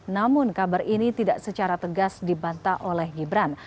namun kabar ini tidak secara tegas dibantah oleh gibran